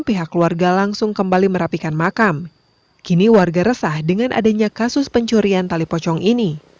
pihak keluarga langsung kembali merapikan makam kini warga resah dengan adanya kasus pencurian tali pocong ini